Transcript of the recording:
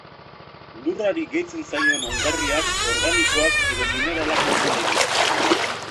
Lurrari gehitzen zaion ongarriak organikoak edo mineralak izan daitezke.